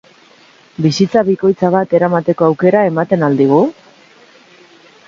Bizitza bikotza bat eramateko aukera ematen al digu?